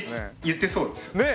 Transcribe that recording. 言ってそうですよね。ね！